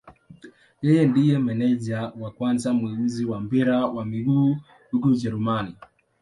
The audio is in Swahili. Yeye ndiye meneja wa kwanza mweusi wa mpira wa miguu huko Ujerumani.